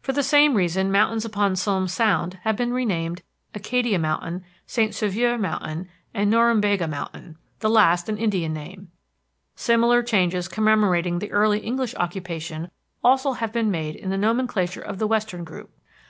For the same reason mountains upon Somes Sound have been renamed Acadia Mountain, St. Sauveur Mountain, and Norumbega Mountain, the last an Indian name; similar changes commemorating the early English occupation also have been made in the nomenclature of the western group.